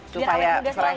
supaya keras aja